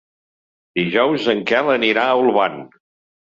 Dijous en Quel anirà a Olvan.